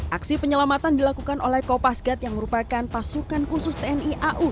aksi penyelamatan dilakukan oleh kopasgat yang merupakan pasukan khusus tni au